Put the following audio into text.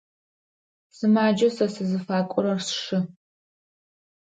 Сымаджэу сэ сызыфакӏорэр сшы.